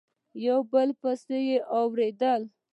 یو په بل پسي اوریدل